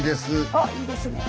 あっいいですねえ。